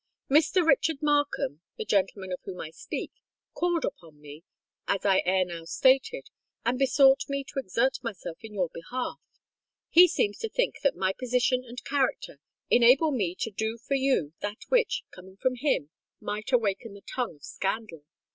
"Mr. Richard Markham—the gentleman of whom I speak—called upon me, as I ere now stated, and besought me to exert myself in your behalf. He seems to think that my position and character enable me to do for you that which, coming from him, might awaken the tongue of scandal.